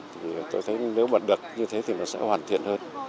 thì tôi thấy nếu mà được như thế thì nó sẽ hoàn thiện hơn